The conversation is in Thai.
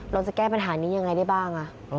เราจะแก้ปัญหานี้ยังไงได้บ้าง